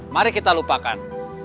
mari kita lupakan